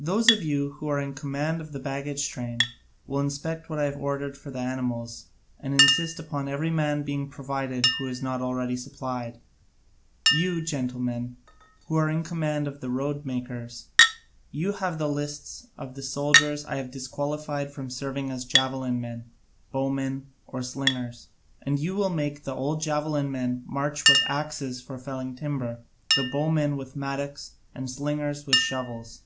Those of you who are in command of the baggage train will inspect what I have ordered for the animals and insist upon every man being provided who is not already supplied. You, gentlemen, who are in command of the road makers, you have the lists of the soldiers I have disqualified from serving as javelin men, bowmen, or slingers, and you will make the old javelin men march with axes for felling timber, the bowmen with mattocks, and the slingers with shovels.